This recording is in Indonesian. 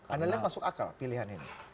anda lihat masuk akal pilihan ini